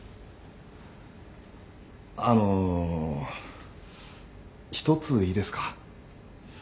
あの１ついいですか？